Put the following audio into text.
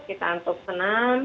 kita untuk senam